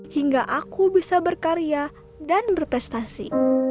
hingga aku bisa berkarya dan berprestasi